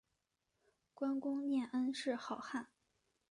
观功念恩是好汉